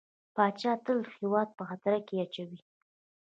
پاچا تل هيواد په خطر کې اچوي .